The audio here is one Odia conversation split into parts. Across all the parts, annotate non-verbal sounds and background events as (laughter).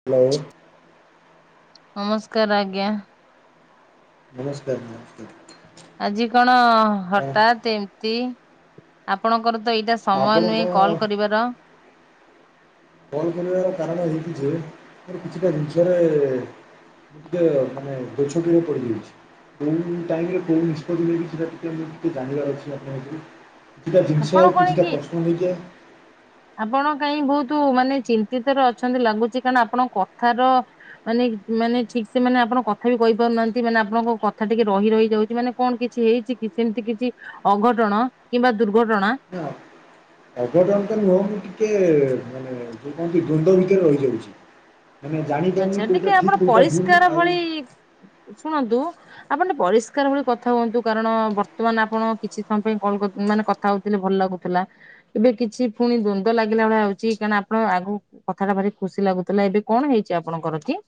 ହ୍ୟାଲୋ ନମସ୍କାର ଆଜ୍ଞା। ନମସ୍କାର ନମସ୍କାର। ଆଜି କଣ ହଠାତ୍ ଏମତି ଆପଣଙ୍କର ତ ଏଇଟା ଆପଣ ସମୟ ଆପଣଙ୍କ ନୁହେଁ କଲ୍ କରିବାର? ଫୋନ୍ କରିବାର କାରଣ ଏହି କି ଯେ ମୋର କିଛିଟା ଜିନିଷରେ ଟିକେ ମାନେ ଦୋ ଛକିରେ ପଡିଯାଉଛି। କୋଉ ଟାଇମ ରେ କୋଉ ନିଷ୍ପତ୍ତି ନେଇକି ସେଇଟା ଟିକେ ଟିକେ ଜାଣିବାର ଅଛି ଆପଣ ଠୁ କିଛିଟା ଜିନିଷ ଆପଣ କଣ କିଛିଟା କି ପ୍ରଶ୍ନ ହୋଇଯାଏ‌। ଆପଣ କାହିଁ ବହୁତ ମାନେ ଚିନ୍ତିତ ରେ ଅଛନ୍ତି ଲାଗୁଛି କାରଣ ଆପଣଙ୍କ କଥାର ମାନେ ମାନେ ଠିକ ସେ ମାନେ ଆପଣ କଥା ବି କହିପାରୁନାହାନ୍ତି ମାନେ ଆପଣଙ୍କ କଥା ଟିକେ ରହି ରହିଯାଉଚି ମାନେ କଣ କିଛି ହେଇଛି କି ସେମିତି କିଛି ଅଘଟଣ କିମ୍ବା ଦୁର୍ଘଟଣା? ନା ଅଘଟଣ ତ ନୁହଁ ମୁଁ ଟିକେ ମାନେ ଯେଉଁ କୁହନ୍ତି ଦ୍ୱନ୍ଦ ଭିତରେ ରହିଯାଉଚି। ମାନେ ଜାଣିପାରୁନି ଆଚ୍ଛା କୋଉଟା ଟିକେ ଆପଣ ଠିକ୍ କୋଉଟା ଭୁଲ୍ ପରିଷ୍କାର ଆଉ ଭଳି ଶୁଣନ୍ତୁ ଆପଣ ଟିକେ ପରିଷ୍କାର ଭଳି କଥା ହୁଅନ୍ତୁ କାରଣ ବର୍ତ୍ତମାନ ଆପଣ କିଛି ସମୟ ପାଇଁ କଣ ମାନେ ଥାଉଥିଲେ ଭଲ ଲାଗୁଥିଲା ଏବେ କିଛି ପୁଣି ଦ୍ୱନ୍ଦ୍ୱ ଲାଗିଲା ଭଳିଆ ହଉଛି କାରଣ ଆପଣ ଆଗୋ କଥାଟା ଭାରି ଖୁସି ଲାଗୁଥିଲା ଏବେ କଣ ହେଇଛି ଆପଣଙ୍କର କି?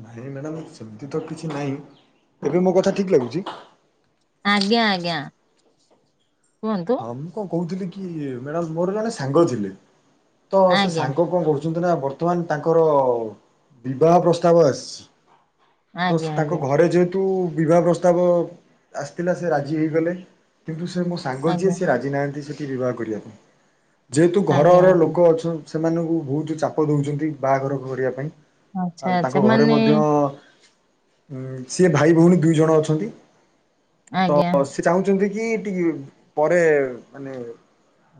ନାଇଁ ମ୍ୟାଡ଼ାମ୍ ସେମିତି ତ କିଛି ନାହିଁ ଏବେ ମୋ କଥା ଠିକ୍ ଲାଗୁଚି? ଆଜ୍ଞା-ଆଜ୍ଞା କୁହନ୍ତୁ। ହଁ ମୁଁ କଣ କହୁଥିଲି କି ମ୍ୟାଡାମ ମୋର ଜଣେ ସାଙ୍ଗ ଥିଲେ, ତ ସେ ଆଜ୍ଞା ସାଙ୍ଗ କଣ କହୁ ଛନ୍ତି ନା ବର୍ତ୍ତମାନ୍ ତାଙ୍କର ବିବାହ ପ୍ରସ୍ତାବ ଆସିଚି। ତ ଆଜ୍ଞା ତାଙ୍କ ଆଜ୍ଞା ଘରେ ଯେହେ ହେତୁ ବିବାହ ପ୍ରସ୍ତାବ ଆସିଥିଲା ସେ ରାଜି ହେଇଗଲେ କିନ୍ତୁ ସେ ମୋ ସାଙ୍ଗ ଯିଏ ଆଜ୍ଞା ସେ ରାଜିନାହାନ୍ତି ସେଠି ବିବାହ କରିବା ପାଇଁ, ଯେହେତୁ ଆଜ୍ଞା ଘରର ଆଜ୍ଞା। ଲୋକ ଅଛ ସେମାନଙ୍କୁ ବହୁତୁ ଚାପ ଦଉଚନ୍ତି ବାହାଘର କରିବା ପାଇଁ ଆଚ୍ଛା ଆଉ ଆଚ୍ଛା ତାଙ୍କ ଘରେ ମାନେ ମଧ୍ୟ ଉଁ ସିଏ ଭାଇ ଭଉଣୀ ଦୁଇ ଜଣ ଅଛନ୍ତି ତ ଆଜ୍ଞା ସେ ଚାହୁଁଛନ୍ତି କି ଟିକେ ପରେ ମାନେ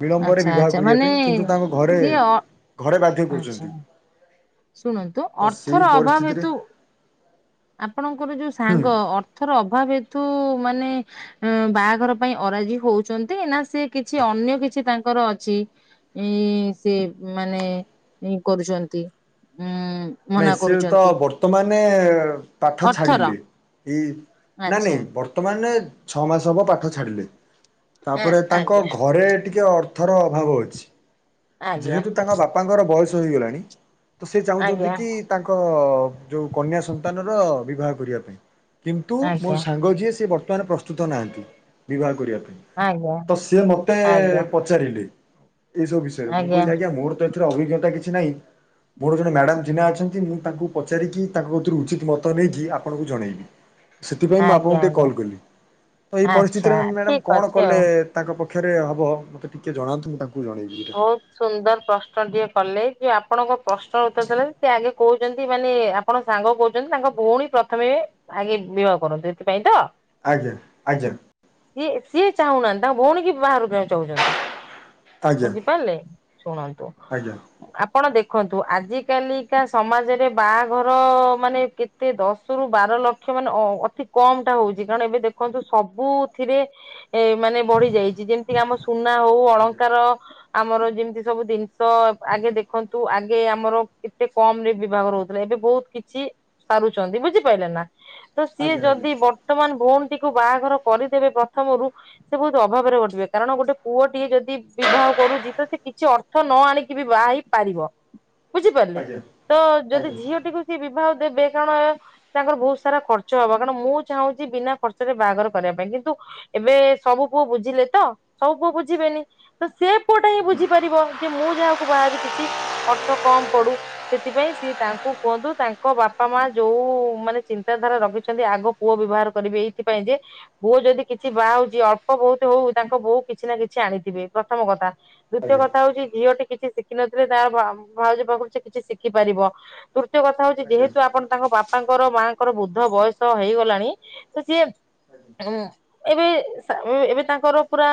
ବିଳମ୍ବରେ ଆଚ୍ଛା ବିବାହ ଆଚ୍ଛା କରିବା ମାନେ ପାଇଁ କିନ୍ତୁ ତାଙ୍କ ସିଏ ଅ ଘରେ-ଘରେ ବାଧ୍ୟ ଆଚ୍ଛା କରୁଚନ୍ତି। ଶୁଣନ୍ତୁ ଅର୍ଥର ଅଭାବ ପରିସ୍ଥିତିରେ ହେତୁ ଆପଣଙ୍କର ଯୋଉ ହୁଁ ସାଙ୍ଗ ଅର୍ଥର ଅଭାବ ହେତୁ ମାନେ ଅଁ ବାହାଘର ପାଇଁ ଅରାଜି ହଉଚନ୍ତି ନା ସେ କିଛି ଅନ୍ୟ କିଛି ତାଙ୍କର ଅଛି। ଇ ସେ ମାନେ କରୁଛନ୍ତି ଉଁ ନାଇଁ ମନା ସିଏ ତ କରୁଛନ୍ତି ବର୍ତ୍ତମାନେ ପାଠ ଅର୍ଥର ଛାଡ଼ିଲେ ଇ ନା ଆଚ୍ଛା। ନାଇଁ ବର୍ତ୍ତମାନେ ଛଅ ମାସ ହବ ପାଠ ଛାଡିଲେ ଆ ତାପରେ ତାଙ୍କ ଆଜ୍ଞା ଘରେ ଟିକେ ଅର୍ଥର ଅଭାବ ଅଛି। ଆଜ୍ଞା ଯେହେତୁ ତାଙ୍କ ବାପାଙ୍କର ବୟସ ହେଇଗଲାଣି ତ ସେ ଚାହୁଁଚନ୍ତି ଆଜ୍ଞା କି ତାଙ୍କ ଯୋଉ କନ୍ୟା ସନ୍ତାନର ବିବାହ କରିବା ପାଇଁ। କିନ୍ତୁ ମୋ ଆଜ୍ଞା ସାଙ୍ଗ ଯିଏ ସେ ବର୍ତ୍ତମାନ ପ୍ରସ୍ତୁତ ନାହାନ୍ତି ବିବାହ କରିବା ପାଇଁ। ଆଜ୍ଞା ତ ସିଏ ମତେ ଆଜ୍ଞା। ପଚାରିଲେ ଏଇ ସବୁ ବିଷୟରେ ମୁଁ କହିଲି ଆଜ୍ଞା ମୋର ତ ଅଭିଜ୍ଞତା କିଛି ନାହିଁ। ମୋର ଜଣେ ମ୍ୟାଡ଼ାମ ଚିହ୍ନା ଅଛନ୍ତି ମୁଁ ତାଙ୍କୁ ପଚାରିକି ତାଙ୍କ କତୁରୁ ଉଚିତ୍ ମତ ନେଇକି ଆପଣଙ୍କୁ ଜଣେଇବି। ସେଥିପାଇଁ ମୁଁ ଆଜ୍ଞା ଆପଣଙ୍କୁ ଟିକେ ଆଜ୍ଞା କଲ୍ କଲି, ତ ଏଇ ଆଚ୍ଛା ପରିସ୍ଥିତିରେ ମ୍ୟାଡାମ ଠିକ କଣ ଅଛି କଲେ ଆଉ। ତାଙ୍କ ପକ୍ଷରେ ହବ ମୋତେ ଟିକିଏ ଜଣାନ୍ତୁ ମୁଁ ତାଙ୍କୁ ଜଣେଇବି ଏଇଟା। ବହୁତ ସୁନ୍ଦର ପ୍ରଶ୍ନ ଟିଏ କଲେ ଯେ ଆପଣଙ୍କ ପ୍ରଶ୍ନର ଉତ୍ତର ଦେଲା ସେ ଆଗେ କହୁଚନ୍ତି ମାନେ ଆପଣ ସାଙ୍ଗ କହୁଛନ୍ତି ତାଙ୍କ ଭଉଣୀ ପ୍ରଥମେ ଆଗେ ବିବାହ କରନ୍ତୁ ସେଥିପାଇଁ ତ? ଆଜ୍ଞା-ଆଜ୍ଞା। ସିଏ-ସିଏ ଚାହୁଁନାହାନ୍ତି ତାଙ୍କ ଭଉଣୀ କି ବାହାଘର କରିଆକୁ ଚାହୁଚନ୍ତି। ଆଜ୍ଞା ବୁଝିପାରିଲେ ଶୁଣନ୍ତୁ ଆଜ୍ଞା ଆପଣ ଦେଖନ୍ତୁ ଆଜିକାଲିକା ସମାଜରେ ବାହାଘର ମାନେ କେ ଏତେ ଦଶ ରୁ ବାର ଲକ୍ଷ ମାନେ ଅ ଅତି କମ୍ ଟା ହଉଚି କାରଣ ଏବେ ଦେଖନ୍ତୁ ସବୁଥିରେ ଏ ମାନେ ବଢି ଯାଇଚି ଯେମିତି ଆମ ସୁନା ହଉ ଅଳଙ୍କାର ଆମର ଯେମିତି ସବୁ ଜିନିଷ ଆଗେ ଦେଖନ୍ତୁ ଆଗେ ଆମର କେତେ କମ୍ ରେ ବିଭାଘର ହଉଥିଲା ଏବେ ବହୁତ କିଛି ସାରୁଛନ୍ତି ବୁଝିପାଇଲେ ନା। ତ ସିଏ ଆଜ୍ଞା ଆଜ୍ଞା ଆଜ୍ଞା ଯଦି ବର୍ତ୍ତମାନ ଭଉଣୀଟିକୁ ବାହାଘର କରିଦେବେ ପ୍ରଥମରୁ ସେ ବହୁତ୍ ଅଭାବରେ ଘଟିବେ କାରଣ ଗୋଟେ ପୁଅ ଟିଏ ଯଦି ବିବାହ କରୁଚି ତ ସେ କିଛି ଅର୍ଥ ନ ଆଣିକି ବି ବାହା ହେଇ ପାରିବ। ବୁଝିପାରିଲେ ଆଜ୍ଞା ତ ଆଜ୍ଞା ଯଦି ଆଜ୍ଞା ଝିଅଟି କୁ ସେ ବିବାହ ଦେବେ କାରଣ ତାଙ୍କର ବହୁତ୍ ସାରା ଖର୍ଚ୍ଚ ହବ କାରଣ ମୁଁ ଚାହୁଁଛି ବିନା ଖର୍ଚ୍ଚରେ ବାହାଘର କରିବା ପାଇଁ କିନ୍ତୁ ଏବେ ସବୁ ପୁଅ ବୁଝିଲେ ତ ସବୁ ପୁଅ ବୁଝିବେନି ତ ସେ ପୁଅଟା ହିଁ ବୁଝିପାରିବ। ଯେ ମୁଁ ଯାହାକୁ ବାହାହେବି କିଛି ଅର୍ଥ କମ୍ ପଡୁ। ସେଥିପାଇଁ ସିଏ ତାଙ୍କୁ କୁହନ୍ତୁ ତାଙ୍କ ବାପା ମା ଯୋଉ ମାନେ ଚିନ୍ତାଧାରା ରଖିଛନ୍ତି ଆଗ ପୁଅ ବିବାହର କରିବେ ଏଇଥିପାଇଁ ଯେ ପୁଅ ଯଦି କିଛି ବାହା ହଉଚି ଅଳ୍ପ ବହୁତ୍ ହଉ ତାଙ୍କ ବୋହୁ କିଛି ନା କିଛି ଆଣିଥିବେ। ପ୍ରଥମ କଥା ଦ୍ଵିତୀୟ ଆଜ୍ଞା କଥା ହଉଛି ଝିଅଟି କିଛି ସି କି ନଥିଲେ ତା ଭାଉଜ ପାଖରୁ ସେ କିଛି ଶିଖି ପାରିବ ତୃତୀୟ କଥା ହଉଛି ଆଜ୍ଞା ଯେହେତୁ ଆପଣ ତାଙ୍କ ବାପାଙ୍କର ମାଆଙ୍କର ବୁଦ୍ଧ ବୟସ ହେଇଗଲାଣି ତ ସିଏ ହୁଁ ଏବେ (unintelligible) ଏବେ ତାଙ୍କର ପୁରା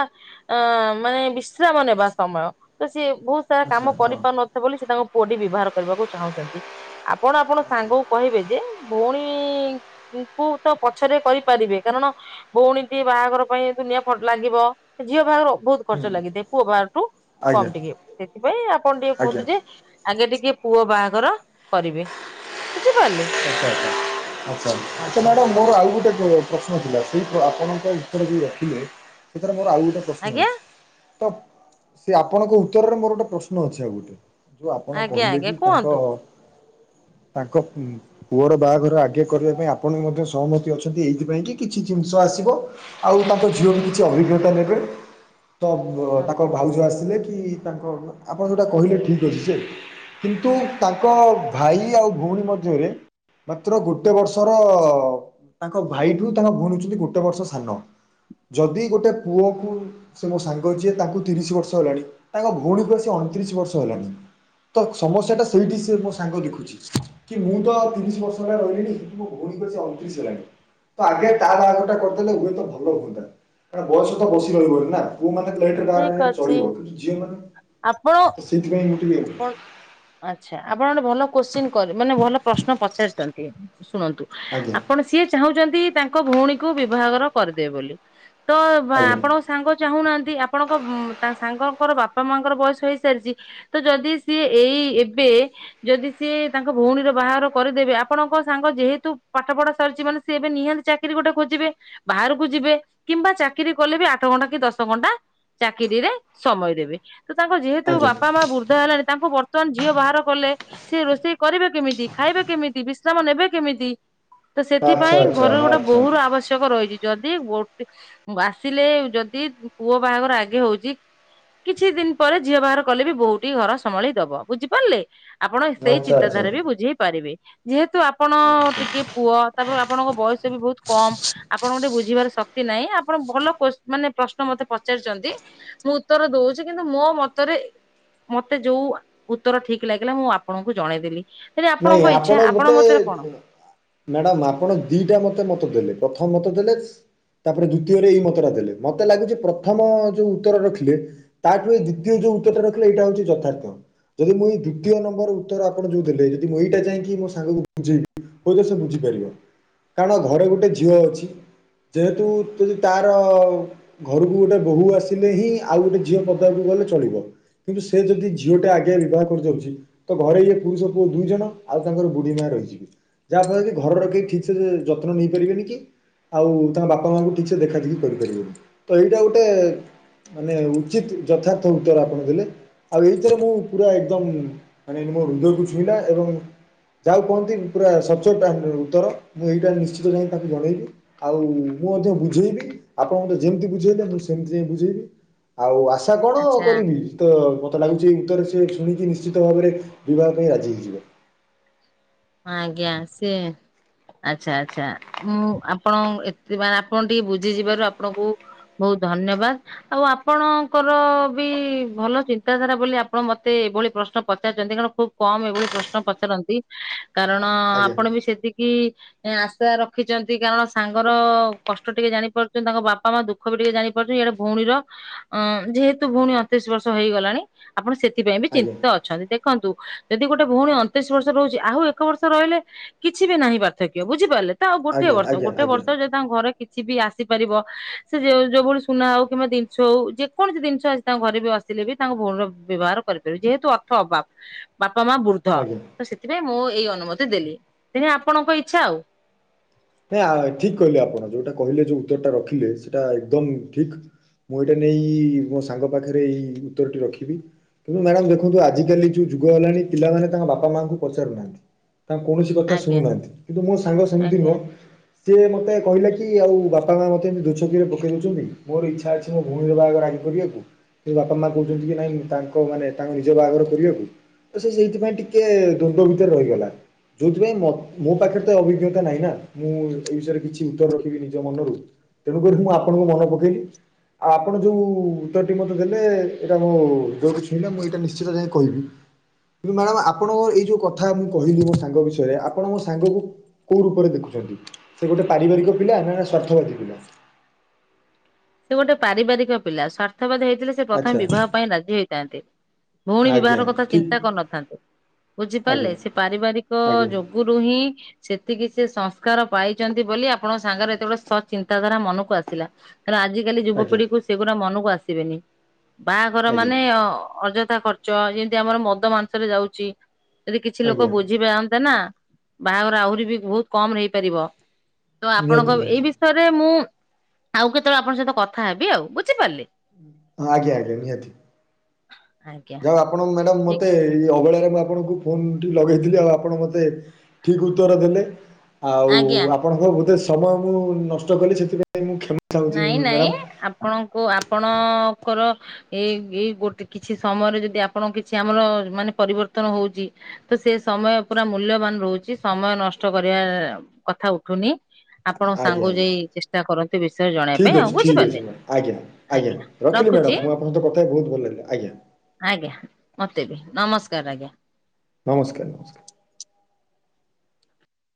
ଅଁ ମାନେ ବିଶ୍ରାମ ନେବା ସମୟ ତ ସିଏ ବହୁତ୍ ସାରା ଆଚ୍ଛା କାମ ହଁ। କରିପାରୁନିଥି ବୋଲି ସେ ତାଙ୍କ ପୁଅଟି ବିବାହାର କରିବାକୁ ଚାହୁଁଛନ୍ତି। ଆପଣ ଆପଣଙ୍କ ଆଚ୍ଛା ସାଙ୍ଗକୁ କହିବେ ଯେ ଭଉଣୀ କୁ ତ ପଛରେ କରିପାରିବେ କାରଣ ଭଉଣୀ ଟିଏ ବାହାଘର ପାଇଁ ଦୁନିଆ (unintelligible) ଲାଗିବ ଝିଅ ବାହାଘର ବହୁତ୍ ହୁଁ ଲାଗିଥାଏ ପୁଅ ବାହାରଠୁ ଆଜ୍ଞା କମ ଟିକେ ସେଥିପାଇଁ ଆପଣ ଟିକେ କୁହନ୍ତୁ ଆଜ୍ଞା। ଯେ ଆଗେ ଟିକେ ପୁଅ ବାହାଘର କରିବେ ବୁଝିପାରିଲେ। ଆଚ୍ଛା ଆଚ୍ଛା ଆଚ୍ଛା ଆଚ୍ଛା ମ୍ୟାଡ଼ାମ ମୋର ଆଉ ଗୋଟେ (unintelligible) ପ୍ରଶ୍ନ ଥିଲା ସେଇ ଆପଣଙ୍କ ଉତ୍ତର ଯୋଉ ରଖିଲେ ସେଥିରେ ମୋର ଆଉ ଗୋଟେ ପ୍ରଶ୍ନ ଆଜ୍ଞା ଅଛି। ତ ସେ ଆପଣଙ୍କ ଉତ୍ତରରେ ମୋର ଗୋଟେ ପ୍ରଶ୍ନ ଅଛି ଆଉ ଗୋଟେ ଯୋଉ ଆପଣ ଆଜ୍ଞା କହିଲେ ଆଜ୍ଞା କି ତାଙ୍କ କୁହନ୍ତୁ ତାଙ୍କ ପୁଅର ବାହାଘର ଆଗେ ଆଗେ କରିବା ପାଇଁ ଆପଣ ମଧ୍ୟ ସହମତି ଅଛନ୍ତି ଏଇଥିପାଇଁ କି କିଛି ଜିନିଷ ଆସିବ। ଆଉ ତାଙ୍କ ଝିଅ ବି କିଛି ଅଭିଜ୍ଞତା ନେବେ ତ ତାଙ୍କ ଆଚ୍ଛା ଭାଉଜ ଆସିଲେ କି ତାଙ୍କ ଆପଣ ଯୋଉଟା କହିଲେ ଠିକ୍ ଅଛି ଯେ କିନ୍ତୁ ତାଙ୍କ ଭାଇ ଆଉ ଭଉଣୀ ମଧ୍ୟରେ ମାତ୍ର ଗୋ ଗୋଟେ ବର୍ଷର ତାଙ୍କ ଭାଇଠୁ ତାଙ୍କ ଭଉଣୀ ହଉଛନ୍ତି ଗୋଟେ ବର୍ଷ ସାନ ଯଦି ଗୋଟେ ପୁଅକୁ ସେ ମୋ ସାଙ୍ଗ ଯିଏ ତାଙ୍କୁ ତିରିଶି ବର୍ଷ ହେଲାଣି ତାଙ୍କ ଭଉଣୀକୁ ଆ ସେ ଅଣ ତିରିଶି ବର୍ଷ ହେଲାଣି ତ ସମସ୍ୟା ଟା ସେଇଠି ସେ ମୋ ସାଙ୍ଗ ଦେଖୁଛି କି ମୁଁ ତ ତିରିଶି ବର୍ଷ ହେଲା ରହିଲିଣିି ମୋ ଭଉଣୀ କି ଆସିକି ଅଣତିରିଶି ହେଲାଣି। ତ ଆଗେ ତା ବାହାଘରଟା କରିଦେଲେ ହୁଏତ ଭଲ ହୁଅନ୍ତା କାରଣ ବୟସ ତ ବସି ରହିବନି ନା ପୁଅ ମାନେ ଲେଟ୍ ବାହା ଠିକ ହେଲେ ଅଛି। ଚଲିବ କିନ୍ତୁ ଝିଅ ମାନେ ଆପଣ ତ ସେଇଥିପାଇଁ ମୁଁ ଟିକେ ଆପଣ ଆଚ୍ଛା ଆପଣ ଗୋଟେ ଭଲ କୋଶ୍ଚିନ୍ ମାନେ ଭଲ ପ୍ରଶ୍ନ ପଚାରିଛନ୍ତି ଶୁଣନ୍ତୁ। ଆଜ୍ଞା ଆପଣ ସିଏ ଚାହୁଁଛନ୍ତି ତାଙ୍କ ଭଉଣୀକୁ ବିବାହ ଘର କରିଦେବେ ବୋଲି। ତ ଆଜ୍ଞା ଆପଣଙ୍କ ସାଙ୍ଗ ଚାହୁଁ ନାହାନ୍ତି। ଆପଣଙ୍କ ତା ସାଙ୍ଗଙ୍କର ବାପା ମାଙ୍କର ବୟସ ହେଇସାରିଛି ତ ଯଦି ସିଏ ଏଇ ଏବେ ଯଦି ସିଏ ତାଙ୍କ ଭଉଣୀର ବାହାଘର କରିଦେବେ ଆପଣଙ୍କ ସାଙ୍ଗ ଯେହେତୁ ପାଠ ପଢା ସରିଛି ମାନେ ସେ ଏବେ ନିହାତି ଚାକିରି ଗୋଟେ ଖୋଜିବେ। ବାହାରକୁ ଯିବେ କିମ୍ବା ଚାକିରି କଲେ ବି ଆଠ ଘଣ୍ଟା କି ଦଶ ଘଣ୍ଟା ଚାକିରି ରେ ସମୟ ଦେବେ ତ ତାଙ୍କ ଯେହେତୁ ଆଜ୍ଞା ବାପା ମା ବୃଦ୍ଧା ହେଲାଣି ତାଙ୍କୁ ବର୍ତ୍ତ ବର୍ତ୍ତମାନ ଝିଅ ବାହା ଘର କଲେ ସିଏ ରୋଷେଇ କରିବେ କେମିତି ଖାଇବେ କେମିତି ବିଶ୍ରାମ ନେବେ କେମିତି? ତ ସେଥିପାଇଁ ଆଚ୍ଛା ଘରେ ଆଚ୍ଛା ଗୋଟେ ଆଚ୍ଛା ବୋହୂ ର ଆବଶ୍ୟକ ରହିଛି। ଯଦି ଗୋଟେ ଉଁ ଆସିଲେ ଯଦି ଉଁ ପୁଅ ବାହାଘର ଆ ଗେ ହଉଛି କିଛି ଦିନ ପରେ ଝିଅ ବାହାଘର କଲେ ବି ବୋହୂ ଟି ଘର ସମ୍ଭାଳି ଦବ ବୁଝିପାରିଲେ। ଆପଣ ସେଇ ଆଚ୍ଛା ଚିନ୍ତାଧାରା ବି ଆଚ୍ଛା ବୁଝେଇ ପାରିବେ। ଯେହେତୁ ଆପଣ ଆଚ୍ଛା ଟିକେ ପୁଅ ତାପରେ ଆପଣଙ୍କ ବୟସ ବି ବହୁତ କମ ଆପଣଙ୍କ ଟିକେ ବୁଝିବାର ସକ ତି ନାହିଁ ଆପଣ ଭଲ କୋଶ ମାନେ ପ୍ରଶ୍ନ ମତେ ପଚାରିଛନ୍ତି। ମୁଁ ଉତ୍ତର ଦଉଛି କିନ୍ତୁ ମୋ ମତରେ। ମତେ ଯୋଉ ଉତ୍ତର ଠିକ ଲାଗିଲା ମୁଁ ଆପଣଙ୍କୁ ଜଣେଇଦେଲି। ହେଲେ ନାଇଁ ଆପଣଙ୍କ ଇଚ୍ଛା ଆପଣ ମତେ ମତରେ କଣ? ଶୁଣ। ମ୍ୟାଡ଼ାମ ଆପଣ ଦିଟା ମତେ ମତ ଦେଲେ ପ୍ରଥମ ମତ ଦେଲେ ତାପରେ ଦ୍ଵିତୀୟରେ ଏଇ ମତଟା ଦେଲେ ମତେ ଲାଗୁଛି ପ୍ରଥମ ଯୋଉ ଉତ୍ତର ରଖିଲେ। ତାଠୁ ଏଇ ଦ୍ୱିତୀୟ ଯୋଉ ଉତ୍ତର ଟା ରଖିଲେ ଏଇଟା ହଉଛି ଯଥାର୍ଥ। ଯଦି ମୁଁ ଏଇ ଦ୍ୱିତୀୟ ନମ୍ବର ଉତ୍ତର ଆପଣ ଯଉ ଦେଲେ ଯେ ଯଦି ମୁଁ ଏଇଟା ଯାଇକି ମୋ ସାଙ୍ଗକୁ ବୁଝେଇବି ହୁଏ ତ ସେ ବୁଝିପାରିବ। କାରଣ ଘରେ ଗୋଟେ ଝିଅ ଅଛି ଯେହେତୁ ଯଦି ତାର। ଘରକୁ ଗୋଟେ ବୋହୂ ଆସିଲେ ହିଁ ଆଉ ଗୋଟେ ଝିଅ ପଦାକୁ ଗଲେ ଚଳିବ। କିନ୍ତୁ ସେ ଯଦି ଝିଅଟା ଆଗେ ବିବାହ କରି ଯାଉଛି ତ ଘରେ ଇଏ ପୁରୁଷ ପୁଅ। ଦୁଇ ଜଣ ଆଉ ତାଙ୍କର ବୁଢୀ ମା ରହିଯିବେ ଯାହା ଫଳରେ କି ଘରର କେହି ଠିକ ସେ ଯତ୍ନ ନେଇପାରିବେନି କି। ଆଉ ତାଙ୍କ ବାପା, ମା ଙ୍କୁ ଠିକ୍ ସେ ଦେଖା ଦେଖି କରିପାରିବେନି ତ ଏଇଟା ଗୋଟେ। ମାନେ ଉଚିତ୍ ଯଥାର୍ଥ ଉତ୍ତର ଆପଣ ଦେଲେ। ଆଉ ଏଇଥିରେ ମୁଁ ପୁରା ଏକଦମ୍ ମାନେ ମୋ ହୃଦୟକୁ ଛୁଇଁଲା ଏବଂ। ଯାହାକୁ କୁହନ୍ତି ପୁରା ସଚ୍ଚୋଟ ଆଣ୍ଡ ଉତ୍ତର ମୁଁ ଏଇଟା ନିଶ୍ଚିତ ଯାଇ ତାଙ୍କୁ ଜଣେଇବି। ଆଉ ମୁଁ ମଧ୍ୟ ବୁଝେଇବି ଆପଣ ମୋତେ ଯେମିତି ବୁଝେଇଲେ ମୁଁ ସେମିତି ଯାଇ ବୁଝେଇବି। ଆଉ ଆଶା କଣ ଆଚ୍ଛା କରିବି ତ ମୋତେ ଲାଗୁଛି ଏଇ ଉତ୍ତର ସିଏ ଶୁଣିକି ନିଶ୍ଚିତ ଭାବରେ ବିବାହ ପାଇଁ ରାଜି ହେଇଯିବ। ଆଜ୍ଞା ସେ। ଆଚ୍ଛା ଆଚ୍ଛା ମୁଁ ଆପଣ ଏତେ ମାନେ ଆପଣ ଟିକେ ବୁଝିଯିବାରୁ ଆପଣଙ୍କୁ। ବହୁତ ଧନ୍ୟବାଦ। ଆଉ ଆପଣଙ୍କର ବି ଭଲ ଚିନ୍ତାଧାରା ବୋଲି ଆପଣ ମୋତେ ଏଭଳି ପ୍ରଶ୍ନ ପଚାରିଛନ୍ତି (unintelligible) ଖୁବ୍ କମ ଏଭଳି ପ୍ରଶ୍ନ ପଚାରନ୍ତି କାରଣ ଆଜ୍ଞା ଆପଣ ବି ସେତିକି। ଏ ଆଶା ରଖିଛନ୍ତି କାରଣ ସାଙ୍ଗର କଷ୍ଟ ଟିକେ ଜାଣିପାରୁଛନ୍ତି ତାଙ୍କ ବାପା, ମା ଦୁ ଖ ବି ଟିକେ ଜାଣିପାରୁଚି ଇଆଡେ ଭଉଣୀର ଅଁ ଯେହେତୁ ଭଉଣୀ ଅଣତିରିଶ ବର୍ଷ ହେଇଗଲାଣି। ଆପଣ ସେଥିପାଇଁ ବି ଆଜ୍ଞା ଚିନ୍ତିତ ଅଛନ୍ତି ଦେଖନ୍ତୁ ଯଦି ଗୋଟେ ଭଉଣୀ ଅଣତିରିଶ ବର୍ଷ ରହୁଛି ଆଉ ଏକ ବର୍ଷ ରହିଲେ କିଛି ବି ନାହିଁ ପାର୍ଥକ୍ୟ ବୁଝିପାରିଲେ ତ ଆଉ ଗୋଟିଏ ଆଜ୍ଞା ବର୍ଷ ଆଜ୍ଞା ଗୋଟେ ଆଜ୍ଞା ବର୍ଷ ଯ ତାଙ୍କ ଘରେ କିଛି ବି ଆସିପାରିବ। ସେ ଯେଉ ଯୋଉ ଭଳି ସୁନା ହଉ କିମ୍ବା ଜିନିଷ ହଉ ଯେ କୌଣସି ଜିନିଷ (unintelligible) ତାଙ୍କ ଘରେ ବି ଆସିଲେ ବି ତାଙ୍କ ଭଉଣୀ ର ବ୍ୟବହାର। କରିପାରିବୁ ଯେହେତୁ ଅର୍ଥ ଅଭାବ ବାପା, ମା ବୃ ଧ ଆଜ୍ଞା ତ ସେଥିପାଇଁ ମୁଁ ଏଇ ଅନୁମତି ଦେଲି (unintelligible) ଆପଣଙ୍କ ଇଚ୍ଛା ଆଉ। ନାଁ ଠିକ୍ କହିଲେ ଆପଣ ଯୋଉଟା କହିଲେ ଯୋଉ ଉତ୍ତରଟା ରଖିଲେ ସେଇଟା ଏକଦମ ଠିକ୍। ମୁଁ ଏଇଟା ନେଇ ମୋ ସାଙ୍ଗ ପାଖରେ ଏଇ ଉତ୍ତରଟି ରଖିବି। କିନ୍ତୁ ମ୍ୟାଡ଼ାମ ଦେଖନ୍ତୁ ଆଜିକାଲି ଯୋଉ ଯୁଗ ହେଲାଣି ପିଲାମାନେ ତାଙ୍କ ବାପା, ମାଆଙ୍କୁ ପଚାରୁନାହାନ୍ତି। ତାଙ୍କ କୌଣସି କଥା ଆଜ୍ଞା ଶୁଣୁନାହାନ୍ତି କିନ୍ତୁ ମୋ ସାଙ୍ଗ ସେମିତି ଆଜ୍ଞା। ନୁହଁ। ସିଏ ମୋତେ କହିଲା କି ଆଉ ବାପା, ମା ମୋତେ ଦୋଛକିରେ ପକେଇ ଦେଉଛନ୍ତି ମୋର ଇଚ୍ଛା ଅଛି ମୋ ଭଉଣୀ ର ବାହାଘର ଆଗେ କରିବାକୁ। କିନ୍ତୁ ବାପା ମା କହୁଛନ୍ତି କି ନାଇଁ ତାଙ୍କ ମାନେ ତାଙ୍କ ନିଜ ବାହାଘର କରିବାକୁ। ତ ସେ ସେଇଥିପାଇଁ ଟିକେ ଦ୍ଵନ୍ଦ ଭିତରେ ରହିଗଲା। ଯୋଉଥିପାଇଁ ମୋ-ମୋ ପାଖରେ ତ ଅଭିଜ୍ଞତା ନାହିଁ ନା। ମୁଁ ଏଇ ବିଷୟରେ କିଛି ଉତ୍ତର ରଖିବି ନିଜ ମନରୁ ତେଣୁ କହିଲି ମୁଁ ଆପଣଙ୍କୁ ମନ ପକେଇଲି। ଆ ଆପଣ ଯୋଉ ଉତ୍ତର ଟି ମୋତେ ଦେଲେ ଏଇଟା ମୋ ହୃଦୟ କୁ ଛୁଇଁଲା ମୁଁ ଏଇଟା ନିଶ୍ଚିତ ଯାଇ କହିବି। କିନ୍ତୁ ମ୍ୟାଡମ୍ ଆପଣଙ୍କ ଏଇ ଯୋଉ କଥା ମୁଁ କହିଲି ମୋ ସାଙ୍ଗ ବିଷୟରେ ଆପଣ ମୋ ସାଙ୍ଗକୁ କୋଉ ରୂପରେ ଦେଖୁଛନ୍ତି ସେ ଗୋଟେ ପାରିବାରିକ ପିଲା ନା ସ୍ୱାର୍ଥବାଦୀ ପିଲା। ତୁ ଗୋଟେ ପାରିବାରିକ ପିଲା ସ୍ୱାର୍ଥବାଦୀ ହେଇଥିଲେ ସେ ଆଚ୍ଛା ପ୍ରଥମେ ବିବାହ ପାଇଁ ରାଜି ହେଇଥାନ୍ତେ ଭଉଣୀ ଆଜ୍ଞା ବିବାହର କଥା ଠିକ୍ ଚିନ୍ତା କରିନଥାନ୍ତେ। ଆଜ୍ଞା ବୁଝିପାରିଲେ ସେ ପାରିବାରିକ ଆଜ୍ଞା ଯୋଗ ରୁ ହିଁ ସେତିକି ସେ ସଂସ୍କାର ପାଇଛନ୍ତି ବୋଲି ଆପଣଙ୍କ ସାଙ୍ଗର ଏତେ ବଡ ସତ୍ ଚିନ୍ତାଧାରା ମନକୁ ଆସିଲା। କାରଣ ଆଜିକାଲି ଆଜ୍ଞା ଯୁବପିଢିକୁ ସେଗୁରା ମନକୁ ଆସିବେନି ବାହାଘର ଆଜ୍ଞା। ମାନେ ଅ ଅଯଥା ଖ ଚ ଯେମିତି ଆମର ମଦ ମାଂସରେ ଯାଉଛି ଯଦି କିଛି ଲୋକ ଆଜ୍ଞା ବୁଝିପାରନ୍ତେ ନା ବାହାଘର ଆହୁରି ବି ବହୁତ କମ୍ ରେ ହେଇପାରିବ ତ ନିହାତି ଆପଣଙ୍କ ଏଇ ନିହାତି ବି ଷୟରେ ମୁଁ ଆଉ କେତେବେଳେ ଆପଣଙ୍କ ସହିତ କଥା ହେବି ଆଉ ବୁଝିପାରିଲେ। ହଁ ଆଜ୍ଞା-ଆଜ୍ଞା ନିହାତି। ଆଜ୍ଞା ଯାହା ହଉ ଆପଣ ମ୍ୟାଡମ୍ ଠିକ ମତେ ଏଇ ଅବହଳାରେ ମୁଁ ଆପଣଙ୍କୁ ଫୋନ୍ ଟି ଲଗେଇଥିଲି ଆଉ ଆପଣ ମତେ ଠିକ୍ ଉତ୍ତର ଦେଲେ। ଆଉ ଆଜ୍ଞା। ଆପଣଙ୍କ ଗୋଟେ ସମୟ ମୁଁ ନଷ୍ଟ କଲି ସେଥିପାଇଁ ମୁଁ କ୍ଷମା ଚାହୁଁଚି ନାଇଁ ନାଇଁ ମ୍ୟାଡ଼ମ୍। ଆପଣଙ୍କୁ ଆପଣଙ୍କର ଏଇ-ଏଇ ଗୋଟେ କିଛି ସମୟରେ ଯଦି ଆପଣଙ୍କ କିଛି ଆମର ମାନେ ପରିବର୍ତ୍ତନ ହଉଚି ତ ସେ ସମୟ ପୁରା ମୂଲ୍ୟବାନ୍ ରହୁଛି ସମୟ ନଷ୍ଟ କରିବା କଥା ଉଠୁନି। ଆପଣ ଆଜ୍ଞା ସାଙ୍ଗକୁ ଆଜ୍ଞା ଯାଇ ଚେଷ୍ଟା କରନ୍ତୁ ଜଣେଇବା ପାଇଁ ଠିକ୍ ଆଉ ଅଛି ଠିକ୍ ବୁଝିପାରିଲେ ଅଛି ଆଜ୍ଞା-ଆଜ୍ଞା ଆଜ୍ଞା ରଖିଲି ରଖୁଛି ମ୍ୟାଡମ୍ ମୁଁ ଆପଣଙ୍କ ସହିତ କଥା ହେଇ ବହୁତ୍ ଭଲ ଲାଗିଲା ଆଜ୍ଞା। ଆଜ୍ଞା ମତେ ବି ନମସ୍କାର ଆଜ୍ଞା। ନମସ୍କାର-ନମସ୍କାର।